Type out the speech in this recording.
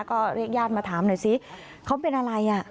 ก็เรียกญาติมาถามหน่อยสิเขาเป็นอะไรอ่ะ